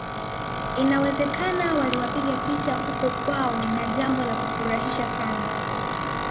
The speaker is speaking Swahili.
Inawezekana waliwapiga picha huko kwao na jambo la kufurahisha sana